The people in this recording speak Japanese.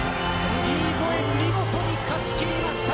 新添、見事に勝ち切りました。